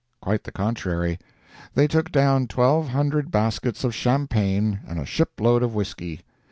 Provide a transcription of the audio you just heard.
Quite the contrary. They took down twelve hundred baskets of champagne and a ship load of whisky.